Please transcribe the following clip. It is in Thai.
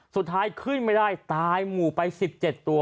สุดท้ายขึ้นไม่ได้ตายหมู่ไป๑๗ตัว